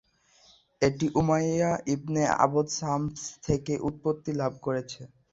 এটি Umayya ibn Abd Shams থেকে উৎপত্তি লাভ করেছে।